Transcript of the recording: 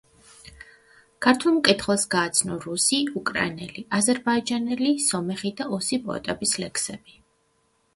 ქართველ მკითხველს გააცნო რუსი, უკრაინელი, აზერბაიჯანელი, სომეხი და ოსი პოეტების ლექსები.